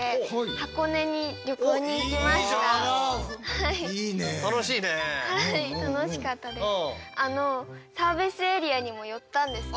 はい楽しかったです。